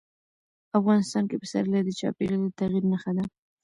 افغانستان کې پسرلی د چاپېریال د تغیر نښه ده.